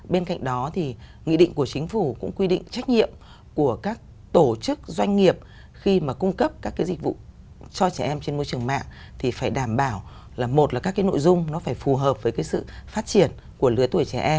bên cạnh đó thì nghị định của chính phủ cũng quy định trách nhiệm của các tổ chức doanh nghiệp khi mà cung cấp các dịch vụ cho trẻ em trên môi trường mạng thì phải đảm bảo là một là các cái nội dung nó phải phù hợp với sự phát triển của lứa tuổi trẻ